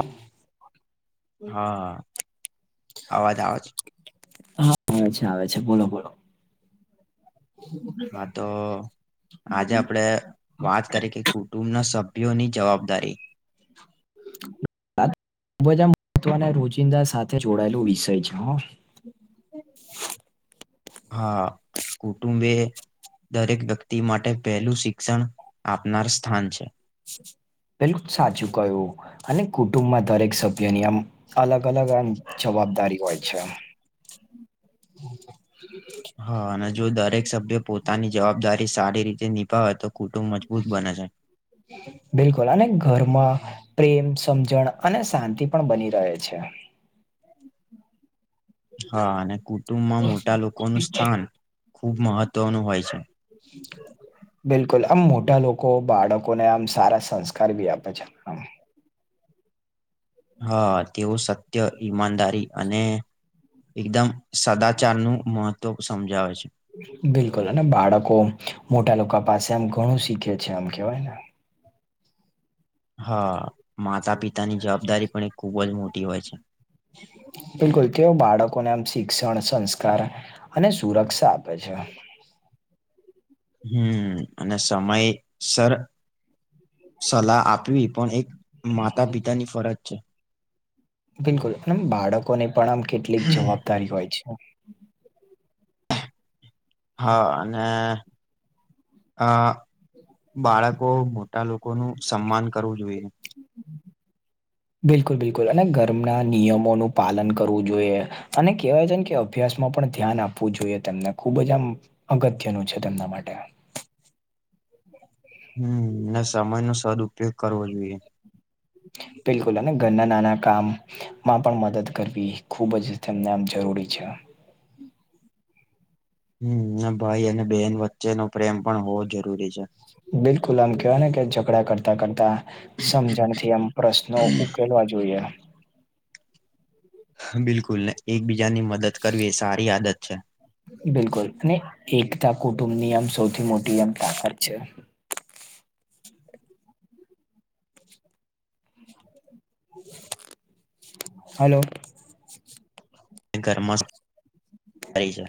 હમ [unintelligible] હા, અવાજ આવ છ? હા આવે છે આવે છે બોલો બોલો. હા, તો આજે આપડે વાત કરીએ કે કુટુંબ ના સભ્યોની જવાબદારી. [inaudible] બ બધા મહત્વના રોજિંદા સાથે જોડાયેલો વિષય છે હ હા કુટુંબ એ દરેક વ્યક્તિ માટે પહેલું શિક્ષણ આપનાર સ્થાન છે. પેલું સાચું કયું અને કુટુંબમાં દરેક સભ્યની આમ અલગ અલગ આમ જવાબદારી હોય છે. હા અને જો દરેક સભ્ય પોતાની જવાબદારી સારી રીતે નિભાવે તો કુટુંબ મજબૂત બને છે. બિલકુલ અને ઘરમાં પ્રેમ સમજણ અને શાંતિ પણ બની રહે છે. હા અને કુટુંબમાં મોટા લોકો નું સ્થાન ખુબ મહત્વ નું હોય છે. [inaudible] બિલકુલ આમ મોટા લોકો બાળકોને આમ સારા સંસ્કાર બી આપે છે આમ હા તેઓ સત્ય ઈમાનદારી અને એકદમ સદાચાર નું મહત્વ સમજાવે છે. બિલકુલ અને બાળકો મોટા લોકો પાસે આમ ઘણું શીખે છે આમ કેવાય ને હા માતા પિતાની જવાબદારી પણ એ ખુબ જ મોટી હોય છે. બિલકુલ તેવો બાળકોને આમ શિક્ષણ સંસ્કાર અને સુરક્ષા આપે છે. હમ્મ અને સમય સર સલાહ આપવી પણ એક માતા પિતાની ફરજ છે. બિલકુલ અને બાળકોને પણ આમ કેટલીક જવાબદારી હોય છે. હા અને અ બાળકો મોટા લોકો નું સન્માન કરવું જોઈએ. બિલકુલ બિલકુલ અને ગરમના નિયમોનું પાલન કરવું જોઈએ. અને કહેવાય છેને કે અભ્યાસ માં પણ ધ્યાન આપવું જોઈએ તેમને ખુબ જ આમ અગત્યનું છે તેમના માટે હમ્મ ને સમય નો સદઉપયોગ કરવો જોઈએ. બિલકુલ અને ઘરના નાના કામ માં પણ મદદ કરવી ખુબ જ તેમને આમ જરૂરી છે. હમ્મ ને ભાઈ અને બહેન વચ્ચેનો પ્રેમ પણ હોવો જરૂરી છે. બિલકુલ આમ કેહેવાય ને કે ઝઘડા કરતાં કરતા સમજણથી આમ પ્રશ્નો ઉકેલવા જોઈએ. બિલકુલને એકબીજાની મદદ કરવી એ સારી આદત છે. બિલકુલ અને એકતા કુટુંબની આમ સૌથી મોટી આમ તાકાત છે. હલો. તે ઘરમાં છે રહી છે.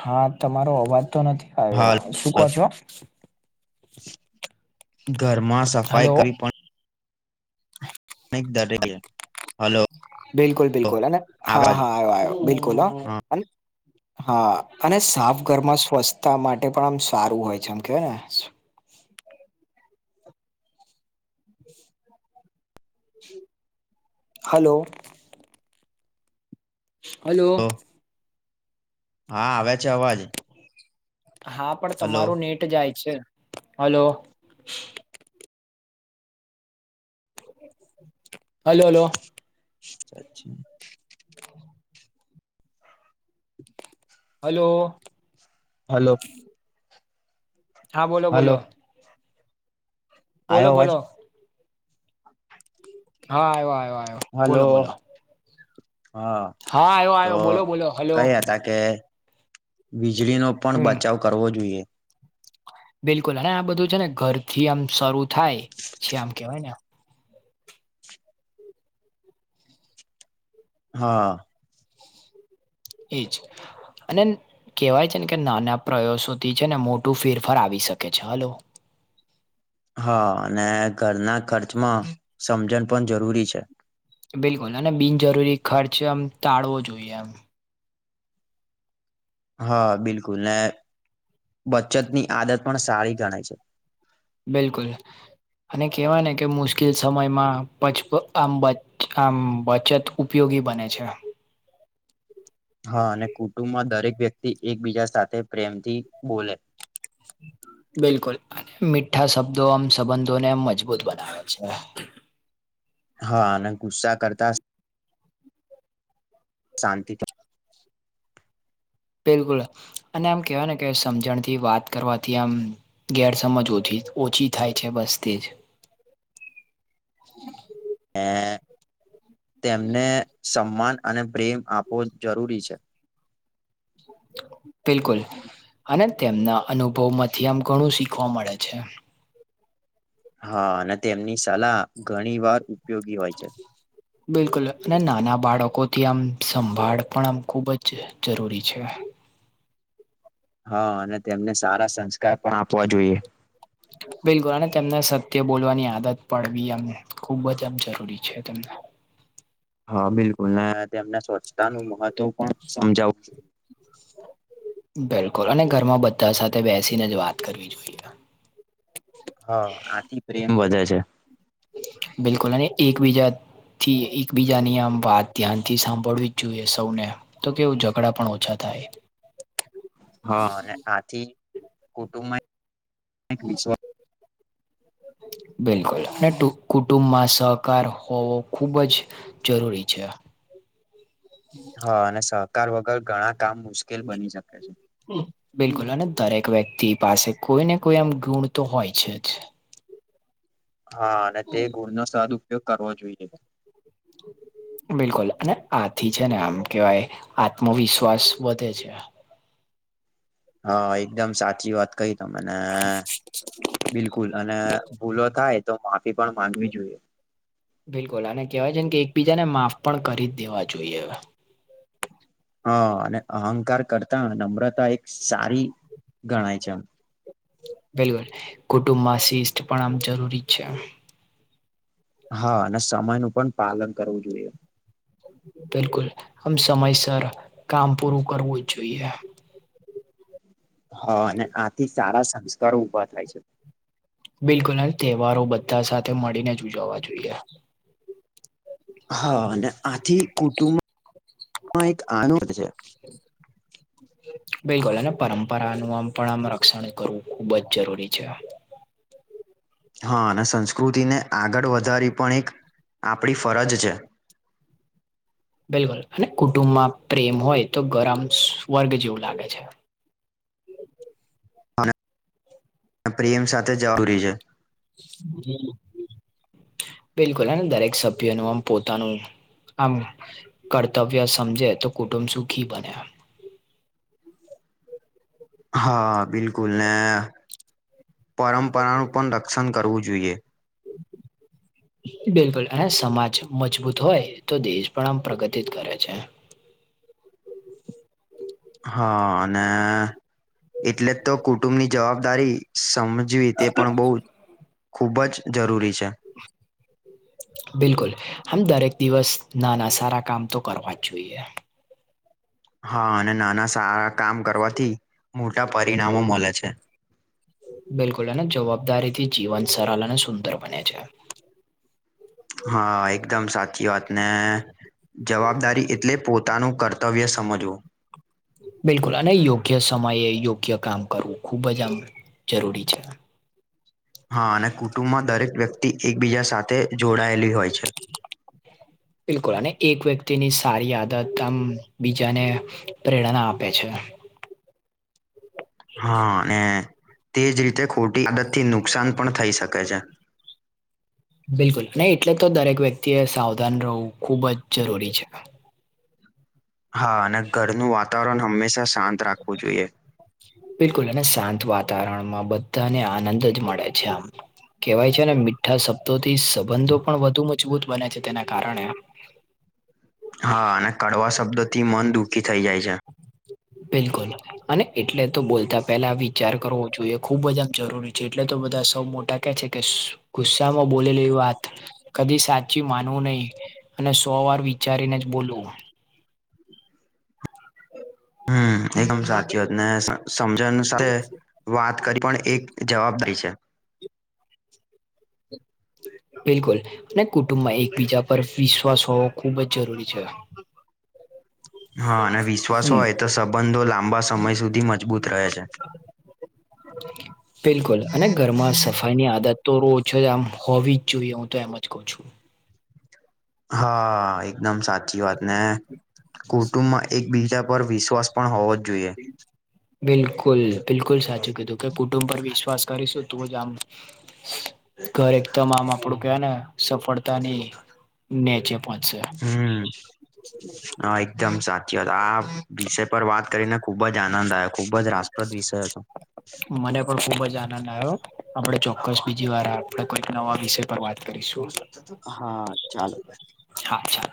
હા તમારો અવાજ તો નથી આયો હાલ શું કહો હાલ, છો? ઘરમાં હલો સફાઈ કરવી પણ નહી દરેક એ હલો. બિલકુલ બિલકુલ અને હા અવાજ હા આયો આયો બિલકુલ હા અન હા અને સાફ ઘરમાં સ્વચ્છતા માટે પણ આમ સારું હોય છે આમ કેવાય ને હલો. હલો. હા આવે છે અવાજ હા, પણ હલો તમારું નેટ જાય છે, હલો. હલો હલો સાછી [unintelligible] હ. હલો. હલો. હા, બોલો, હલો બોલો. આવ્યો બોલો, અવાજ બોલો. હા, હા, હા. હલો, હા. હા, આવ્યો, તો આવ્યો, બોલો, બોલો, હલો. કઈ હતા કે વીજળીનો પણ હમ બચાવ કરવો જોઈએ. બિલકુલ, અને આ બધું છે ને ઘરથી આમ શરૂ થાય છે, આમ કેવાય ને. હા. એ જ. અને કેહેવાય છે ને કે, નાના પ્રયાસોથી છે ને, મોટું ફેરફાર આવી શકે છે, હલો. હા, અને ઘરના ખર્ચમાં સમજણ પણ જરૂરી છે. બિલકુલ, અને બિનજરૂરી ખર્ચ આમ ટાળવો જોઈએ એમ. હા, બિલકુલ ને, બચતની આદત પણ સારી ગણાય છે. બિલકુલ. અને કહેવાય ને, કે મુશ્કેલ સમયમાં પચ આમ આમ બચત. ઉપયોગી બને છે. હા, અને કુટુંબમાં દરેક વ્યક્તિ એકબીજા સાથે પ્રેમથી બોલે. બિલકુલ, મીઠા શબ્દો આમ સંબંધોને એમ મજબૂત બનાવે છે. હા, અને ગુસ્સા કરતા. શાંતિથી. બિલકુલ, અને આમ કેહેવાય ને કે, સમજણથી વાત કરવાથી આમ. ગેરસમજ ઓછી-ઓછી થાય છે, બસ તેજ. એ તેમને સન્માન અને પ્રેમ આપવો જરૂરી છે. બિલકુલ, અને તેમના અનુભવમાંથી આમ ઘણું શીખવા મળે છે. હા, અને તેમની સલાહ ઘણી વાર ઉપયોગી હોય છે. બિલકુલ, અને નાના બાળકો થી આમ સંભાળ પણ આમ ખૂબ જ જરૂરી છે. હા, અને તેમને સારા સંસ્કાર પણ આપવા જોઈએ. હ. બિલકુલ, અને તેમને સત્ય બોલવાની આદત પડવી, એમ ખુબ જ આમ જરૂરી છેને. હા, બિલકુલ ને, તેમને સ્વચ્છતા નું મહત્વ પણ સમજાવવું જોઈએ. બિલકુલ, અને ઘરમાં બધા સાથે બેસીને જ વાત કરવી જોઈએ. હા, આથી પ્રેમ વધે છે. બિલકુલ, અને એકબીજા થી એકબીજાની આમ વાત ધ્યાનથી સાંભળવી જ જોઈએ સૌને. તો કેવું ઝઘડા પણ ઓછા થાય. હા, અને આથી કુટુંબમાં વિશ્વાસ. બિલકુલ, અને કુટુંબમાં સહકાર હોવો ખુબ જ જરૂરી છે. હા, અને સહકાર વગર ઘણા કામ મુશ્કેલ બની શકે છે. બિલકુલ, અને દરેક વ્યક્તિ પાસે કોઈને કોઈ એમ ગુણ તો હોય છે જ. હા, અને તે ગુળનો સદ ઉપયોગ કરવો જોઈએ. બિલકુલ, અને આથી છે ને, આમ કેવાય આત્મવિશ્વાસ વધે છે. હા, એકદમ સાચી વાત કહી, તો મને બિલકુલ અને ભૂલો થાય, તો માફી પણ માંગવી જોઈએ. બિલકુલ, અને કેહેવાય છે કે, એકબીજાને માફ પણ કરી જ દેવા જોઈએ હવે. હ, અને અહંકાર કરતા, નમ્રતા એક સારી ગણાય છે, એમ. બિલકુલ, કુટુંબમાં શિસ્ત પણ આમ જરૂરી છે. હા, અને સમય નું પણ પાલન કરવું જોઈએ. બિલકુલ, આમ સમયસર કામ પૂરું કરવું જ જોઈએ. હા, અને આથી સારા સંસ્કારો ઉભા થાય છે. બિલકુલ ને, તહેવારો બધા સાથે મળીને જ ઉજવવા જોઈએ. હા, અને આથી કુટુંબ માં એક આના હોય છે. બિલકુલ, અને પરંપરાનું આમ પણ આમ રક્ષણ કરવું ખુબ જ જરૂરી છે. હા, અને સંસ્કૃતિને આગળ વધારી પણ એક આપણી ફરજ છે. બિલકુલ, અને કુટુંબમાં પ્રેમ હોય તો ગરમ સ્વર્ગ જેવું લાગે છે. પ્રેમ સાથે જ રૂરી છે. [unintelligible] બિલકુલ, દરેક સભ્ય નું આમ પોતાનું આમ કર્તવ્ય સમજે તો કુટુંબ સુખી બને. હા, બિલકુલ ને, પરંપરાનું પણ રક્ષણ કરવું જોઈએ. [unintelligible] બિલકુલ, અને સમાજ મજબૂત હોય તો, દેશ પણ આમ પ્રગતિ જ કરે છે. હા, અને એટલે જ તો કુટુંબની જવાબદારી સમ જીવી તે પણ બહુ ખૂબ જ જરૂરી છે. બિલકુલ, આમ દરેક દિવસ નાના સારા કામ તો કરવા જ જોઈએ. હા, અને નાના સારા કામ કરવાથી મોટા પરિણામો મલે છે. બિલકુલ, અને જવાબદારી થી જીવન સરલ અને સુંદર બને છે. હા, એકદમ સાચી વાત, ને જવાબદારી એટલે પોતાનું કર તવ્ય સમજવો. બિલકુલ, અને યોગ્ય સમયે યોગ્ય કામ કરવું ખુબ જ આમ જરૂરી છે. હા, અને કુટુંબમાં દરેક વ્યક્તિ એકબીજા સાથે જોડાયેલી હોય છે. બિલકુલ, અને એક વ્યક્તિની સારી આદત આમ બીજાને પ્રેરણા આપે છે. હા, અને તેજ રીતે ખોટી આદત થી નુકસાન પણ થઈ શકે છે. બિલકુલ નહી, એટલે તો દરેક વ્યક્તિ એ સાવધાન રહેવું ખુબ જ જરૂરી છે. હા, અને ઘરનું વાતાવરણ હંમેશા શાંત રાખવું જોઈએ. બિલકુલ, અને શાંત વાતાવરણમાં બધાને આનંદ જ મળે છે. આમ કેવાય છે ને, મીઠા શબ્દોથી સંબંધો પણ વધુ મજબૂત બને છે, તેના કારણે હા, અને કડવા શબ્દો થી મન દુઃખી થઈ જાય છે. બિલકુલ. અને એટલે તો બોલતા પેલા વિચાર કરવો જોઈએ, ખુબ જ આમ જરૂરી છે, એટલે તો બધા સૌ મોટા છે કે, ગુસ્સામાં બોલેલી વાત કદી સાચી માનવું નહી. અને સો વાર વિચારીને જ બોલવું. હમ એકદમ સાચી વાત ને, સમજની સાથે વાત કરી પણ એક જવાબદારી છે. બિલકુલ. ને કુટુંબમાં એકબીજા પર વિશ્વાસ હોવો ખુબ જ જરૂરી છે. હા અને વિશ્વાસ હમ હોય તો સંબંધો લાંબા સમય સુધી મજબૂત રહે છે. બિલકુલ અને ઘરમાં સફર ભાઈ ની આદત તો રો છઆમ હોવી જ જોઈએ, હું તો એમ જ કઉ છું. હા એકદમ સાચી વાત ને કુટુંબમાં એક બીજા પર વિશ્વાસ પણ હોવો જ જોઈએ. બિલકુલ બિલકુલ સાચું કીધું ક કુટુંબ પર વિશ્વાસ કરીશું તો જ આમ ઘરે એકદમ આમ આપડું કેવ ને સફળતાની નેચે પાંચસ [unintelligible] હમ. હા એકદમ સાચી વાત આ વિષય પર વાત કરીને ખુબ જ આનંદ આવ્યો. ખુબ જ રાસપ્રદ વિષય હતો. મને પણ ખુબ જ આનંદ આવ્યો આપડે ચોક્કસ બીજી વાર આપડે કોઈક નવા વિષય પર વાત કરીશુ. હા ચાલો. હા ચાલ